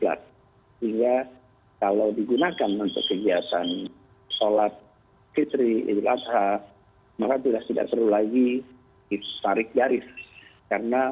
jadi kalau digunakan untuk kegiatan sholat fitri ibu adha